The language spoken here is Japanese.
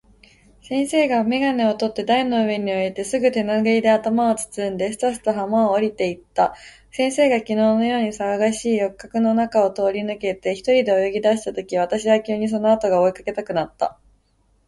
先生は眼鏡をとって台の上に置いて、すぐ手拭（てぬぐい）で頭を包んで、すたすた浜を下りて行った。先生が昨日（きのう）のように騒がしい浴客（よくかく）の中を通り抜けて、一人で泳ぎ出した時、私は急にその後（あと）が追い掛けたくなった。